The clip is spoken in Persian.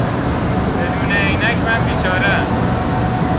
بدون عینک من بیچارهام.